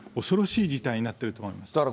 恐ろしい事態になっていると思います。